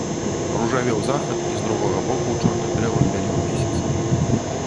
Ружавеў захад і з другога боку ў чорных дрэвах бялеў месяц.